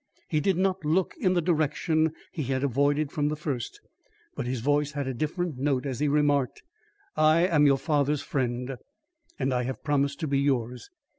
He did not look in the direction he had avoided from the first, but his voice had a different note as he remarked: "I am your father's friend, and I have promised to be yours.